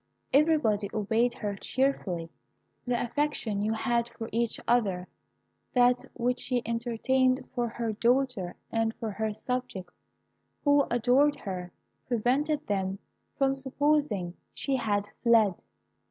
Everybody obeyed her cheerfully. The affection you had for each other, that which she entertained for her daughter and for her subjects, who adored her, prevented them from supposing she had fled.